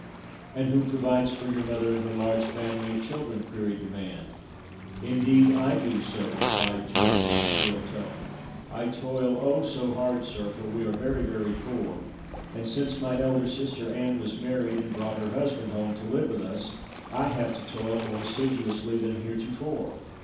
"And who provides for your mother and her large family of children?" queried the man. "Indeed, I do, sir," replied George, in a shrill tone. "I toil, oh, so hard, sir, for we are very, very poor, and since my elder sister, Ann, was married and brought her husband home to live with us, I have to toil more assiduously than heretofore."